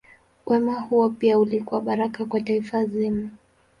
Wema huo pia ulikuwa baraka kwa taifa zima.